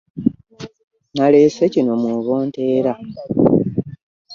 Naleese kino mw'oba onteera.